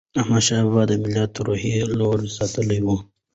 احمدشاه بابا د ملت روحیه لوړه ساتلې وه.